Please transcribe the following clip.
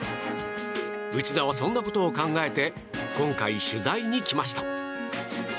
内田はそんなことを考えて今回、取材に来ました。